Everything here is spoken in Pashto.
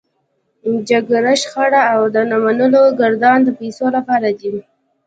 جګړه، شخړه او د نه منلو ګردان د پيسو لپاره دی.